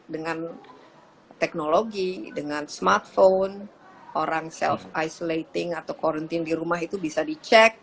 dengan teknologi dengan smartphone orang self isolating atau quarantine di rumah itu bisa dicek